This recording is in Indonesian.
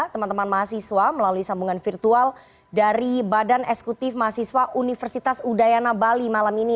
teman teman mahasiswa melalui sambungan virtual dari badan eksekutif mahasiswa universitas udayana bali malam ini